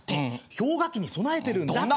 氷河期に備えてるんだって。